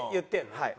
はい。